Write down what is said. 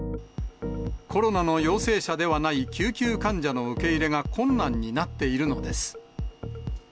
コロナの陽性者ではない救急患者の受け入れが困難になっているのです。